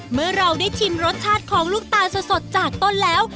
เมื่อเราได้ชิมรสชาติของลูกตาลสดจากต้นแล้ว